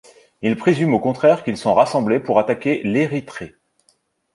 Il présume au contraire qu'ils sont rassemblés pour attaquer l'Érythrée.